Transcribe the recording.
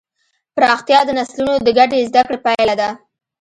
پراختیا د نسلونو د ګډې زدهکړې پایله ده.